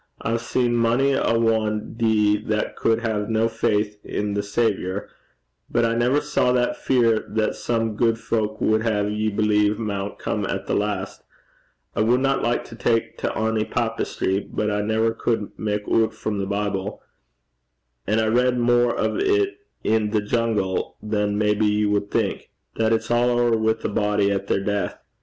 I hae seen mony a ane dee that cud hae no faith i' the Saviour; but I never saw that fear that some gude fowk wud hae ye believe maun come at the last. I wadna like to tak to ony papistry; but I never cud mak oot frae the Bible and I read mair at it i' the jungle than maybe ye wad think that it's a' ower wi' a body at their deith.